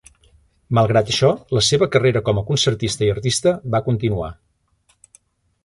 Malgrat això, la seva carrera com a concertista i artista va continuar.